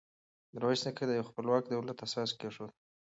میرویس نیکه د یوه خپلواک دولت اساس کېښود.